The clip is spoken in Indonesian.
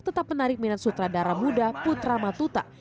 tetap menarik minat sutradara muda putra matuta